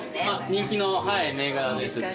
人気の銘柄です。